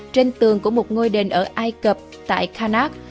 trên tường của một ngôi đền ở ai cập tại khanak